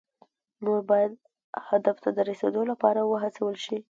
نور باید هدف ته د رسیدو لپاره وهڅول شي.